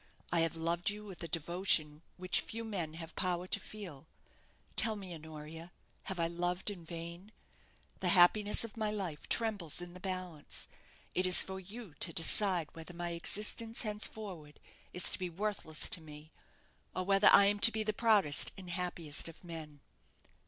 I have loved you with a devotion which few men have power to feel. Tell me, Honoria, have I loved in vain? The happiness of my life trembles in the balance. It is for you to decide whether my existence henceforward is to be worthless to me, or whether I am to be the proudest and happiest of men."